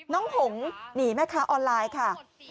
หงหนีแม่ค้าออนไลน์ค่ะ